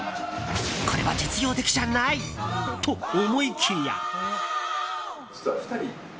これは実用的じゃないと思いきや。